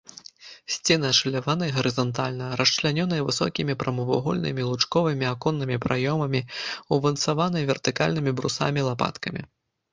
Сцены ашаляваныя гарызантальна, расчлянёныя высокімі прамавугольнымі і лучковымі аконнымі праёмамі, умацаваныя вертыкальнымі брусамі-лапаткамі.